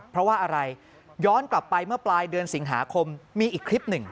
เพราะว่าอะไรย้อนกลับไปเมื่อปลายเดือนสิงหาคมมีอีกคลิปหนึ่ง